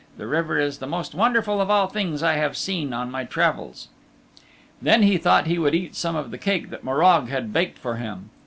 The river is the most wonderful of all the things I have seen on my travels." Then he thought he would eat some of the cake that Morag had baked for him.